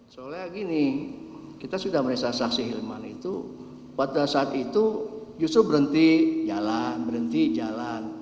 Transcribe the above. soalnya gini kita sudah merasa saksi hilman itu pada saat itu justru berhenti jalan berhenti jalan